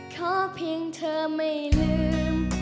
ขอเพียงเธอไม่ลืม